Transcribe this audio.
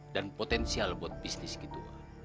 dan potensial buat bisnis gitu